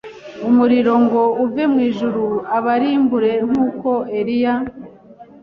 umuriro ngo uve mu ijuru ubarimbure nk uko Eliya